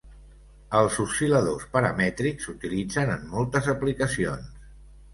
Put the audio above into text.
Els oscil·ladors paramètrics s'utilitzen en moltes aplicacions.